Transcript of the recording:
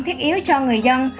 thiết yếu cho người dân